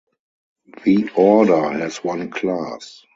The order has one class.